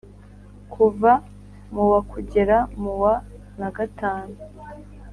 Kuva mu wa kugera mu wa na gatanu,